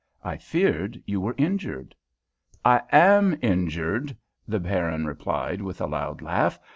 I feared you were injured." "I am injured," the Baron replied, with a loud laugh.